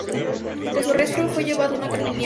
Tras su arresto fue llevado a una cárcel de Viena.